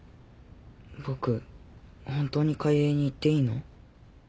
僕本当に開瑛に行っていいの？